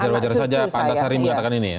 jadi wajar wajar saja pak antasari mengatakan ini ya